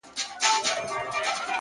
• چي تا په گلابي سترگو پرهار پکي جوړ کړ،